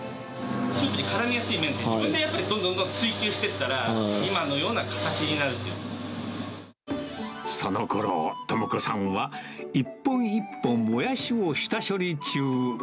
スープにからみやすい麺って、やっぱりどんどんどんどん追求していったら、今のような形になるそのころ、知子さんは一本一本もやしを下処理中。